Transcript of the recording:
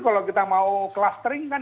kalau kita mau clustering kan